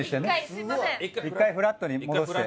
一回フラットに戻して。